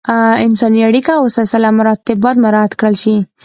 انساني اړیکې او سلسله مراتب باید مراعت کړل شي.